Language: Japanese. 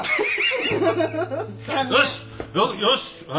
よし。